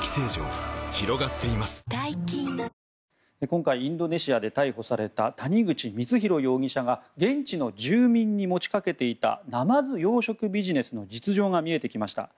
今回、インドネシアで逮捕された谷口光弘容疑者が現地の住民に持ちかけていたナマズ養殖ビジネスの実情が見えてきました。